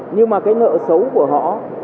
nhưng mà cái nợ xấu của họ